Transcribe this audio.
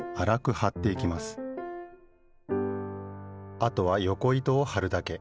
あとはよこ糸をはるだけ。